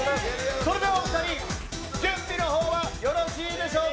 それではお２人、準備のほうはよろしいでしょうか。